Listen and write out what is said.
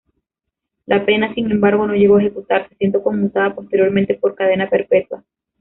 La pena, sin embargo, no llegó a ejecutarse, siendo conmutada posteriormente por cadena perpetua.